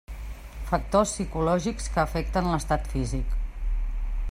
Factors psicològics que afecten l'estat físic.